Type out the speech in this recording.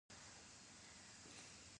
د اسطوخودوس غوړي د څه لپاره وکاروم؟